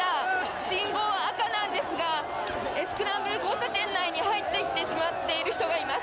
信号、赤なんですがスクランブル交差点内に入っていってしまっている人がいます。